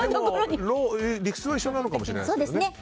理屈は一緒なのかもしれないですね。